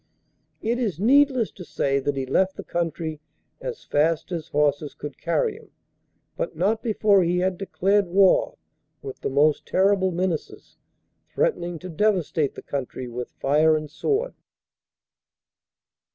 It is needless to say that he left the country as fast as horses could carry him, but not before he had declared war, with the most terrible menaces, threatening to devastate the country with fire and sword.